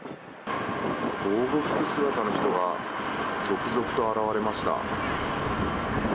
防護服姿の人が、続々と現れました。